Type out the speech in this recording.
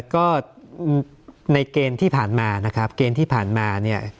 ก็ในเกณฑ์ที่ผ่านมานะครับเกณฑ์ที่ผ่านมาเนี่ย